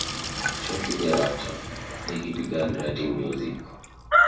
Shortly thereafter, Heggie began writing music.